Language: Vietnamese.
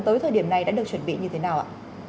tới thời điểm này đã được chuẩn bị như thế nào ạ